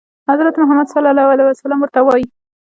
حضرت محمد ورته وايي.